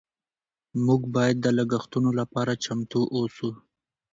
موږ باید د لګښتونو لپاره چمتو اوسو.